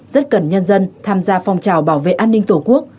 rất cần nhân dân tham gia phong trào bảo vệ an ninh tổ quốc